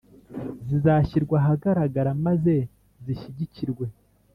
zizashyirwa ahagaragara maze zishyigikirwe.